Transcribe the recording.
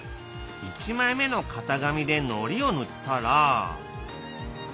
１枚目の型紙でのりをぬったら。